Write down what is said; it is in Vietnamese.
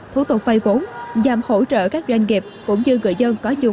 thủ tục phê vốn giảm hỗ trợ các doanh nghiệp cũng như người dân có nhu cầu phê vốn